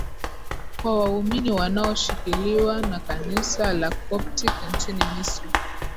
kwa waumini wanaoshikiliwa na kanisa la coptic nchini misri